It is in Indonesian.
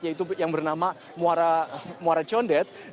yaitu yang bernama muara condet